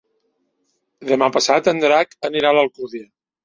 Demà passat en Drac anirà a l'Alcúdia.